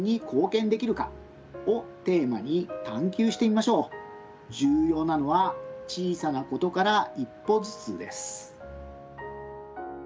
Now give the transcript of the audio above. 皆さんも重要なのは小さなことから一歩ずつです。